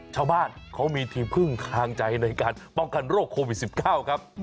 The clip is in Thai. ชาวบ้านเขามีที่พึ่งทางใจในการป้องกันโรคโควิด๑๙ครับ